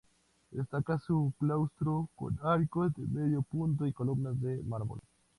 Destaca su claustro con arcos de medio punto y columnas de mármol.